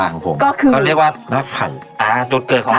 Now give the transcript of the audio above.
นี่จริงเหรอคะครับผมยังดูเด็กดูเลยดูเด็กมาก